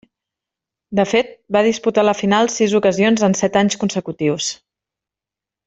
De fet, va disputar la final sis ocasions en set anys consecutius.